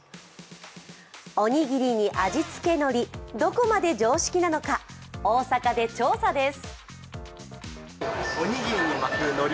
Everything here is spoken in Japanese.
おにぎりに味付けのり、どこまで常識なのか大阪で調査です。